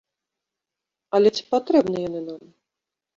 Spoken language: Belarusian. Але ці патрэбны яны нам?